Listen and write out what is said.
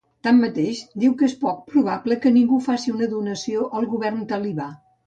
Tanmateix, diu que és poc probable que ningú faci una donació al govern talibà.